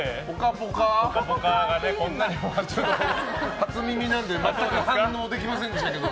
初耳なので全く反応できませんでしたけど。